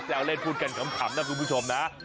แววเล่นพูดกันขำนะคุณผู้ชมนะ